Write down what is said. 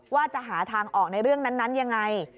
ว่าจะหาทางออกในเรื่องนั้นยังไง